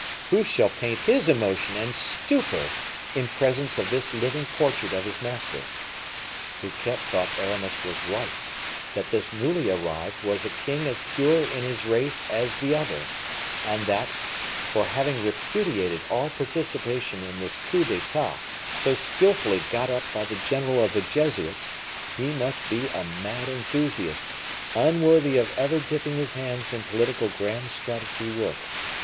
who shall paint his emotion and stupor in presence of this living portrait of his master! Fouquet thought Aramis was right, that this newly arrived was a king as pure in his race as the other, and that, for having repudiated all participation in this coup d'etat, so skillfully got up by the General of the Jesuits, he must be a mad enthusiast, unworthy of ever dipping his hands in political grand strategy work.